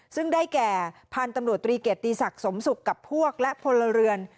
ซึ่งได้แก่พันธุ์ตำรวจตรีเกียรติศักดิ์สมศุกร์กับพวกและพลเรือน